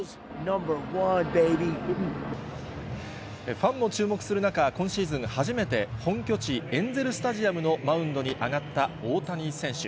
ファンも注目する中、今シーズン初めて、本拠地、エンゼル・スタジアムのマウンドに上がった大谷選手。